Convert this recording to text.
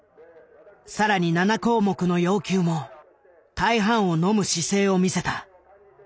更に７項目の要求も大半をのむ姿勢を見せた。